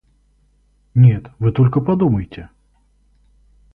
Нет, вы только подумайте!